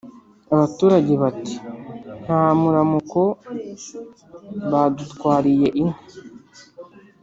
Abaturage Bati: "Nta muramuko badutwariye inka